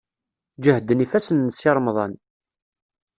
Ǧehden ifassen n Si Remḍan.